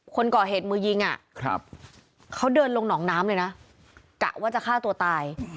คนก่อเหตุมือยิงเขาเดินลงหนองน้ำเลยนะกะว่าจะฆ่าตัวตาย